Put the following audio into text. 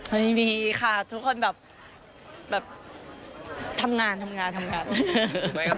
ไม่มีค่ะทุกคนแบบทำงานทำงานทำงานทำงาน